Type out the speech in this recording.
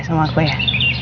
sama aku ya